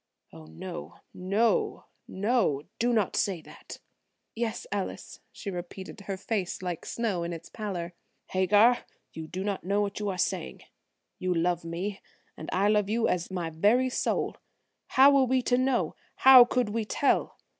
"Oh, no, no; do not say that!" "Yes, Ellis," she repeated, her face like snow in its pallor. "Hagar, you do not know what you are saying. You love me, and I love you as my very soul. How were we to know? How could we tell?